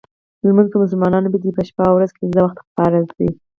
لمونځ په مسلمانانو باندې په شپه او ورځ کې پنځه وخته فرض دی .